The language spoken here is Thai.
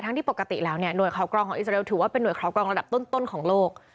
ที่ปกติแล้วเนี่ยหน่วยข่าวกรองของอิสราเอลถือว่าเป็นห่วขอกรองระดับต้นของโลก